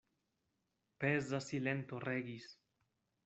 Peza silento regis.